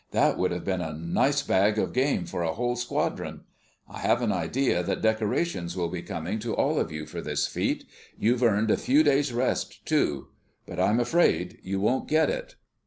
That would have been a nice bag of game for a whole squadron. I have an idea that decorations will be coming to all of you for this feat. You've earned a few days' rest, too, but I'm afraid you won't get it."